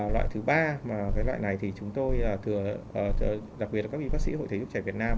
loại thứ ba cái loại này thì chúng tôi thường đặc biệt là các vị bác sĩ hội thế giúp trẻ việt nam